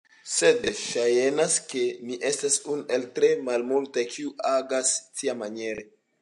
Sed saĵnas ke mi estas unu el tre malmultaj kiuj agas tiamaniere.